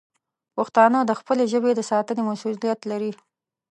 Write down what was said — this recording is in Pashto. پښتانه د خپلې ژبې د ساتنې مسوولیت لري.